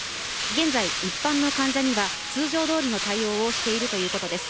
現在、一般の患者には通常どおりの対応をしているということです。